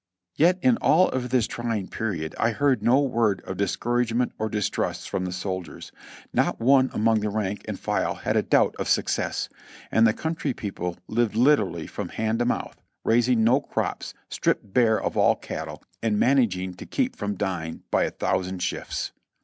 Yet in all of this trying period I heard no word of discourage ment or distrust from the soldiers ; not one among the rank and file had a doubt of success; and the country people lived literally from hand to mouth, raising no crops, stripped bare of all cattle, and managing to keep from dying by a thousand shifts.